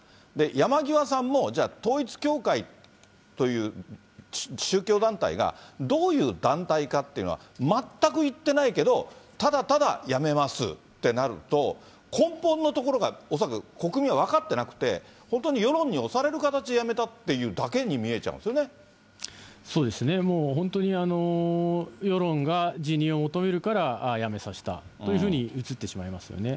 山際さんも、じゃあ統一教会という宗教団体が、どういう団体かっていうのは全く言ってないけど、ただただ辞めますってなると、根本のところが恐らく国民は分かってなくて、本当に世論に押される形で辞めたっていうだけに見えちゃうんですそうですね、もう本当に世論が辞任を求めるから辞めさせたというふうに映ってしまいますよね。